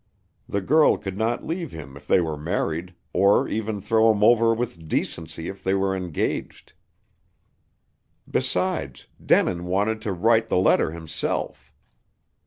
The girl could not leave him if they were married, or even throw him over with decency if they were engaged. Besides, Denin wanted to write the letter himself.